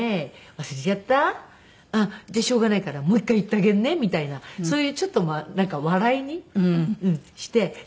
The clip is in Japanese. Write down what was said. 忘れちゃった？」「しょうがないからもう一回言ってあげるね」みたいなそういうちょっと笑いにして絶対にけなさない怒らない。